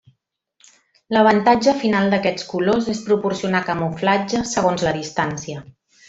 L'avantatge final d'aquests colors és proporcionar camuflatge segons la distància.